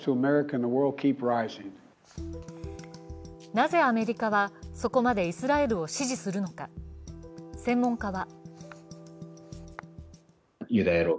なぜアメリカはそこまでイスラエルを支持するのか、専門家は